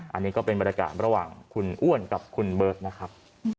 อันนี้ก็เป็นบรรยากาศระหว่างคุณอ้วนกับคุณเบิร์ตนะครับ